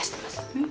うん？